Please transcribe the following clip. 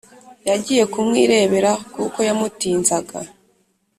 yagiye ku mwirebera kuko yamutinzaga